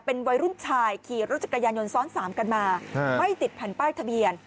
เป็นวัยรุ่นชายขี่รถจักรยานยนต์ซ้อนสามกันมาไม่ติดแผ่นป้ายทะเบียน